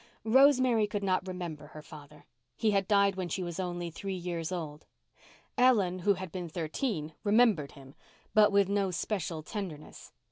Rosemary could not remember her father. He had died when she was only three years old. Ellen, who had been thirteen, remembered him, but with no special tenderness.